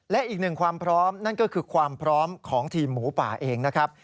และอีกหนึ่งความพร้อมนั่นก็คือความพร้อมของทีมหมูป่าเองนะครับ